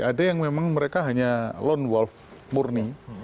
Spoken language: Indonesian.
ada yang memang mereka hanya lone wolf murni